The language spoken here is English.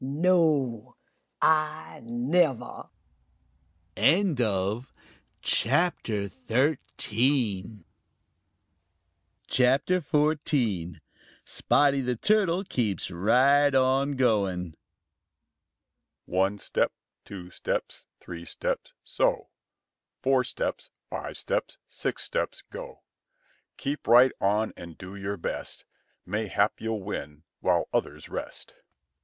No, Ah never!" CHAPTER XIV: Spotty The Turtle Keeps Right On Going "One step, two steps, three steps, so! Four steps, five steps, six steps go! Keep right on and do your best; Mayhap you'll win while others rest."